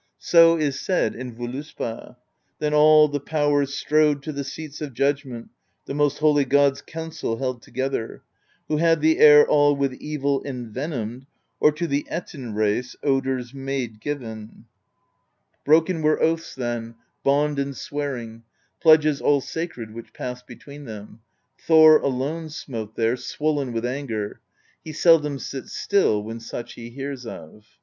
So is said in Voluspa: Then all the Powers strode to the seats of judgment, The most holy gods council held together: Who had the air all with evil envenomed. Or to the Ettin race (3dr's maid given. 56 PROSE EDDA Broken were oaths then, bond and swearing, Pledges all sacred which passed between them; Thor alone smote there, swollen with anger: He seldom sits still when such he hears of."